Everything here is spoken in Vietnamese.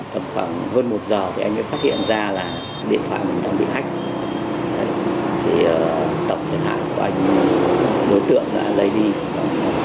khoảng hơn một giờ thì anh đã phát hiện ra là điện thoại mình đang bị hách